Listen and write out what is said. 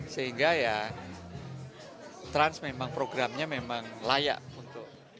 sehingga ya trans memang programnya memang layak untuk